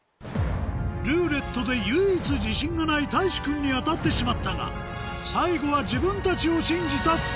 「ルーレット」で唯一自信がないたいし君に当たってしまったが最後は自分たちを信じた２人